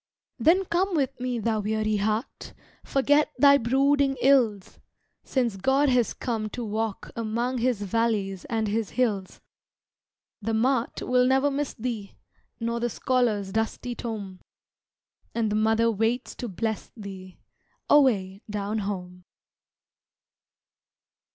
Then come with me, thou weary heart! Forget thy brooding ills, Since God has come to walk among His valleys and his hills! The mart will never miss thee, Nor the scholar's dusty tome, And the Mother waits to bless thee, Away down home.